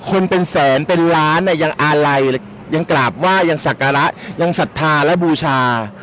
คนเป็นแสนเป็นล้านอ่ะยังอาลัยยังกราบไหว้ยังศักระยังศรัทธาและบูชา